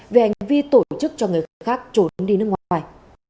về hành vi tổ chức cho người khác trốn đi nước ngoài